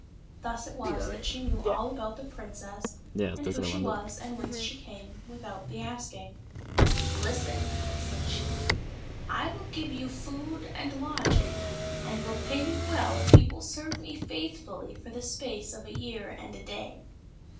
Thus it was that she knew all about the princess, and who she was and whence she came, without the asking. " Listen," said she I will give you food and lodging, and will pay you well if you will serve me faith fully for the space of a year and a day."